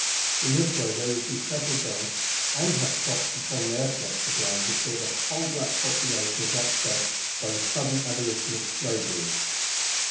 In this way they will be settled down, and have crops upon their plots of land, before the whole black population is upset by the sudden abolition of slavery."